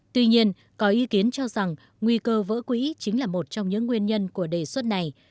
tuy nhiên có ý kiến cho rằng nguy cơ vỡ quỹ chính là một trong những nguyên nhân của đề xuất này